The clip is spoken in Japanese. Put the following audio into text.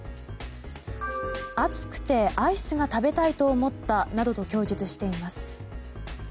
暑くてアイスが食べたいと思ったなどと供述しています。